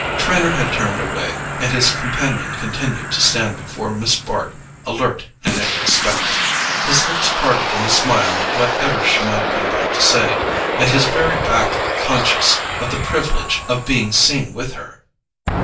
Trenor had turned away, and his companion continued to stand before Miss Bart, alert and expectant, his lips parted in a smile at whatever she might be about to say, and his very back conscious of the privilege of being seen with her.